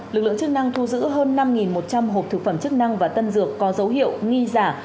lực lượng chức năng thu giữ hơn năm một trăm linh hộp thực phẩm chức năng và tân dược có dấu hiệu nghi giả